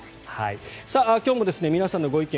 今日も皆さんのご意見